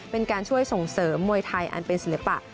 เป็นการช่วยส่งเสริมมวยไทยอันเป็นศิลปะ